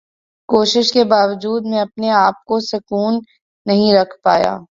کوشش کے باوجود میں اپنے آپ کو سکون نہیں رکھ پایا۔